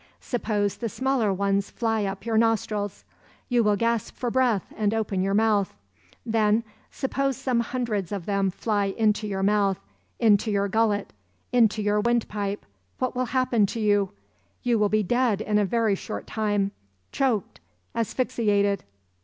Suppose the smaller ones fly up your nostrils. You will gasp for breath and open your mouth. Then, suppose some hundreds of them fly into your mouth, into your gullet, into your windpipe, what will happen to you? You will be dead in a very short time, choked, asphyxiated."